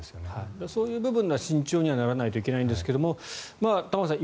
そういう部分には慎重にならないといけないんですが玉川さん